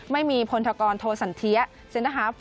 ไม่มีพลธกรโทสันเทียเซ็นเตอร์ฮาฟ